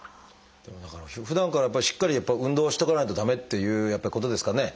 だからふだんからやっぱりしっかり運動しとかないと駄目っていうことですかね？